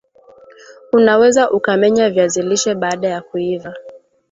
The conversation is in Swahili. una weza ukamenya viazi lishe baada ya kuiva